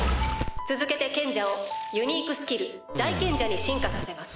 続けて賢者をユニークスキル大賢者に進化させます。